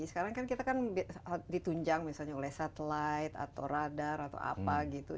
sekarang kan kita kan ditunjang misalnya oleh satelit atau radar atau apa gitu